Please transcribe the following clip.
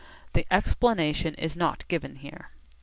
The explanation is not given here.